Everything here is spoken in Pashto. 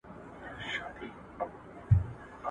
هغه وویل چې تازه مېوه د ماشومانو لپاره اړینه ده.